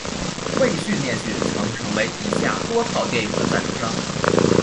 卫讯电讯曾成为以下多套电影的赞助商。